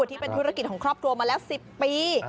ที่เป็นธุรกิจของครอบครัวมาแล้ว๑๐ปี